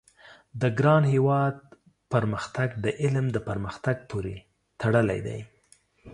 د ګران هېواد پرمختګ د علم د پرمختګ پوري تړلی دی